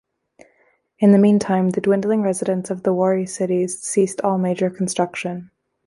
In the meantime, the dwindling residents of the Wari cities ceased all major construction.